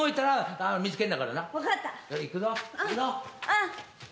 うん。